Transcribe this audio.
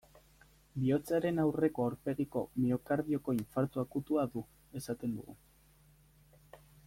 Bihotzaren aurreko aurpegiko miokardioko infartu akutua du, esaten dugu.